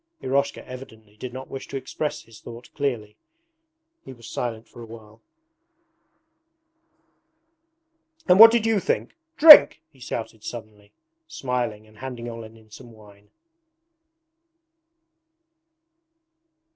Eroshka evidently did not wish to express his thought clearly. He was silent for a while. 'And what did you think? Drink!' he shouted suddenly, smiling and handing Olenin some wine.